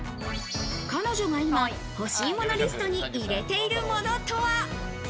彼女が今、欲しい物リストに入れているものとは？